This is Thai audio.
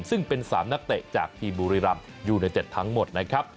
ซึ่งเป็น๓นักเตะจากทีมบุรีรัมป์อยู่ใน๗ทั้งหมดนะครับ